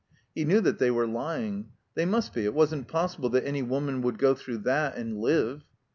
He knew that they were lying; they must be; it wasn't possible that any woman would go through that and live.